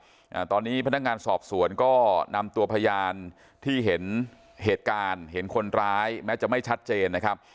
อ่าตอนนี้พนักงานสอบสวนก็นำตัวพยานที่เห็นเหตุการณ์เห็นคนร้ายแม้จะไม่ชัดเจนนะครับ